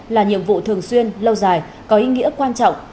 là nhiệm vụ thường xuyên lâu dài có ý nghĩa quan trọng